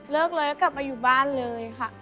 เลิกเลยแล้วกลับมาอยู่บ้านเลยค่ะ